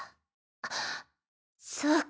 あっそうか！